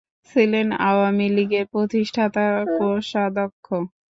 ছিলেন আওয়ামী লীগের প্রতিষ্ঠাতা কোষাধ্যক্ষ।